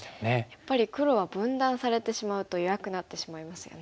やっぱり黒は分断されてしまうと弱くなってしまいますよね。